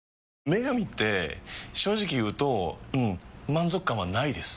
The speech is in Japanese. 「麺神」って正直言うとうん満足感はないです。